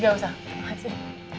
gak usah maaf sih